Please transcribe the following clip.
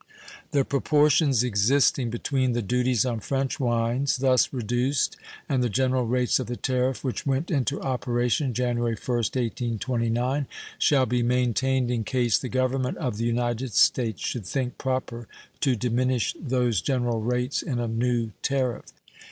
The proportions existing between the duties on French wines thus reduced and the general rates of the tariff which went into operation January 1st, 1829, shall be maintained in case the Government of the United States should think proper to diminish those general rates in a new tariff.